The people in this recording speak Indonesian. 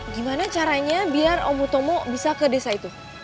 gimana caranya biar om hutomo bisa ke desa itu